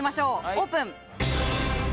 オープン。